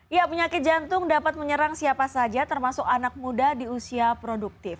ya penyakit jantung dapat menyerang siapa saja termasuk anak muda di usia produktif